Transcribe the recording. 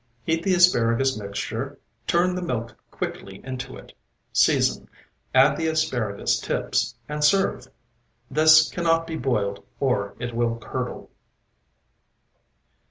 Heat the asparagus mixture, turn the milk quickly into it, season, add the asparagus tips, and serve. This cannot be boiled or it will curdle.